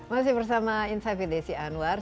masih bersama insight with desi anwar